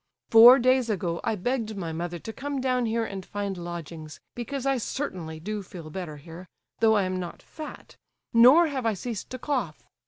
Four days ago I begged my mother to come down here and find lodgings, because I certainly do feel better here, though I am not fat, nor have I ceased to cough.